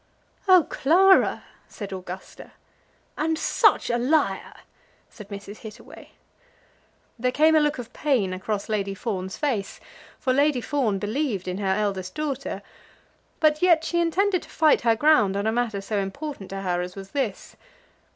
"Oh, Clara!" said Augusta. "And such a liar," said Mrs. Hittaway. There came a look of pain across Lady Fawn's face, for Lady Fawn believed in her eldest daughter. But yet she intended to fight her ground on a matter so important to her as was this.